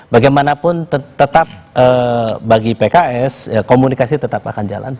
bagaimanapun tetap bagi pks komunikasi tetap akan jalan